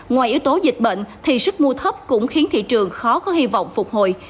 ngoài yếu tố dịch bệnh thì sức mua thấp cũng khiến thị trường khó có hy vọng phục hồi